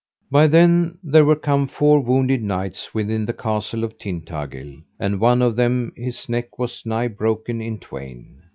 By then there were come four wounded knights within the Castle of Tintagil, and one of them his neck was nigh broken in twain.